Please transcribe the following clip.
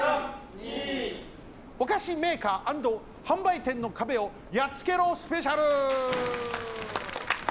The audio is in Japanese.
「お菓子メーカー＆販売店の壁をやっつけろスペシャル」！